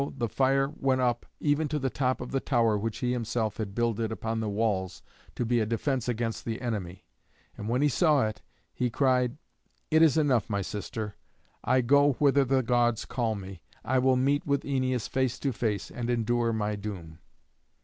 the fire went up even to the top of the tower which he himself had builded upon the walls to be a defence against the enemy. And when he saw it, he cried, "It is enough, my sister; I go whither the Gods call me. I will meet with Æneas face to face, and endure my doom."